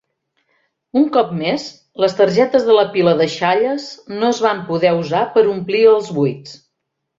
Un cop més, les targetes de la pila deixalles no es van poder usar per omplir els buits.